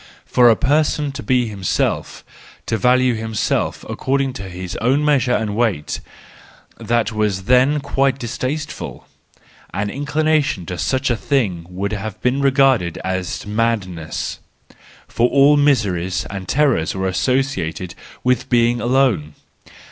For a person to be himself, to value himself according to his own measure and weight—that was then quite distaste¬ ful. The inclination to such a thing would have been regarded as madness; for all miseries and terrors were associated with being alone.